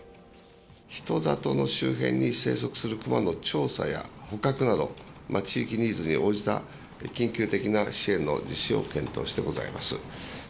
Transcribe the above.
人里の周辺に生息するクマの調査や捕獲など、地域ニーズに応じた緊急的な支援の実施を検討してございます。